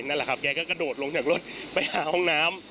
นั่นแหละครับแกก็กระโดดลงจากรถไปหาห้องน้ำ